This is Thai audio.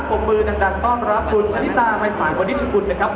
ผมมือดังต้อนรับคุณชะลิตาภัยศาลวันนี้ชกุลนะครับ